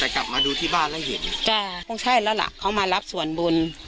แต่กลับมาดูที่บ้านแล้วเห็นจ้ะคงใช่แล้วล่ะเขามารับส่วนบุญ